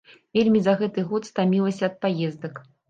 Вельмі за гэты год стамілася ад паездак.